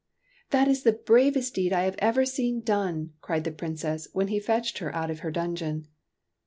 " That is the bravest deed I have ever seen done!" cried the Princess, when he fetched her out of her dungeon.